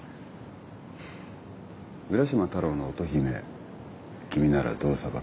『浦島太郎』の乙姫君ならどう裁く？